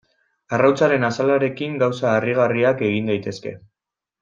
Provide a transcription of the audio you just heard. Arrautzaren azalarekin gauza harrigarriak egin daitezke.